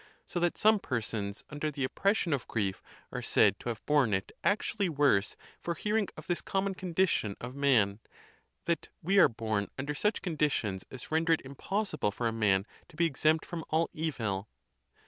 So that some persons, under the oppression of grief, are said to have borne it actually worse for hearing of this common condition of man, that we are born under such conditions as render it impossible for a man to be exempt from all evil.